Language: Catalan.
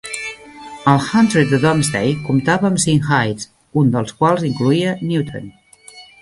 El "hundred" de Domesday comptava amb cinc "hides", un dels quals incloïa Newton.